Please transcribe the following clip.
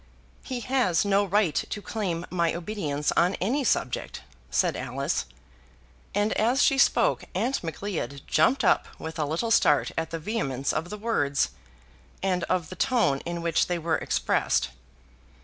"He has no right to claim my obedience on any subject," said Alice; and as she spoke Aunt Macleod jumped up with a little start at the vehemence of the words, and of the tone in which they were expressed.